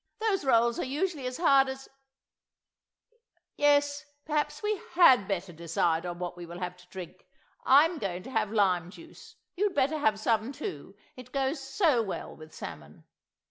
Those rolls are usually as hard as—— .... Yes, perhaps we had better decide on what we will have to drink. I'm going to have lime juice. You'd better have some too. It goes so well with salmon.